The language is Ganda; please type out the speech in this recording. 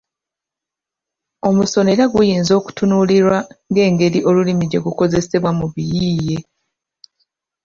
Omusono era guyinza okutunuulirwa ng'engeri olulimi gye lukozesebwa mu biyiiye.